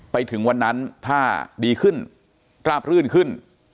ไปถึงวันนั้นถ้าดีขึ้นราบรื่นขึ้น